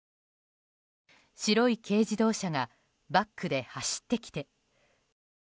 白い軽自動車がバックで走ってきて。